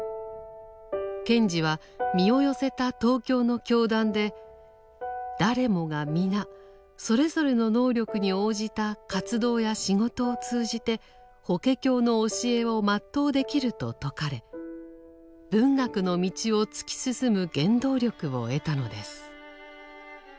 賢治は身を寄せた東京の教団で誰もが皆それぞれの能力に応じた活動や仕事を通じて「法華経」の教えを全うできると説かれ文学の道を突き進む原動力を得たのです。